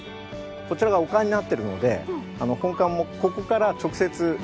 こちらが丘になっているので本館もここから直接来れる。